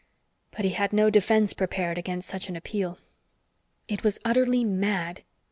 But he had no defense prepared against such an appeal. It was utterly mad.